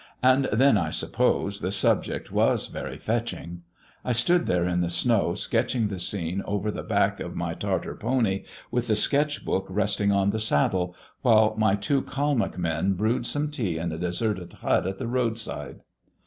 And then, I suppose, the subject was very fetching. I stood there in the snow sketching the scene over the back of my Tartar pony, with the sketch book resting on the saddle, while my two Kalmuck men brewed some tea in a deserted hut at the road side."